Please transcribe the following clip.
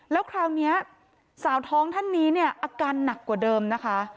แล้วคราวนี้สาวท้องท่านนี้เนี่ยอาการหนักกว่าเดิมนะคะ